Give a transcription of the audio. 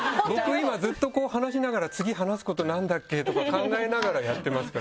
今ずっとこう話しながら次話すこと何だっけ？とか考えながらやってますから。